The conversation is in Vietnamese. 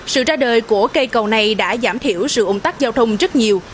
sự ra đời của cây cầu này đã giảm thiểu sự ủng tắc giao thông rất nhiều